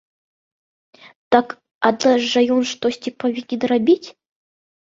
Так, аднак жа ён штосьці павінен рабіць.